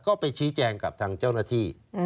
ก็ไปชี้แจงกับทางเจ้าหน้าที่